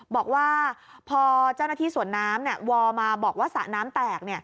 บอกว่าพอเจ้าหน้าที่สวนน้ำวอลมาบอกว่าสระน้ำแตก